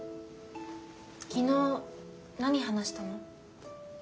昨日何話したの？